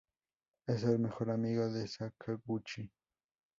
Es el mejor amigo de Sakaguchi.